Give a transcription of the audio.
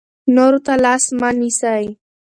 نورو ته لاس مه نیسئ.